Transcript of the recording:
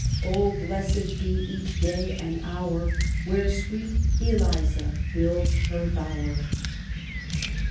O blessed be each day and hour Where sweet Eliza builds her bower.